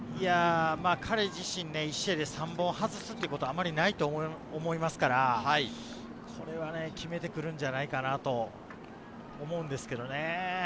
彼自身、１試合で３本外すことはあまりないと思いますから、これはね、決めてくるんじゃないかなと思うんですけれどね。